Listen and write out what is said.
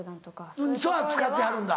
それは使ってはるんだ？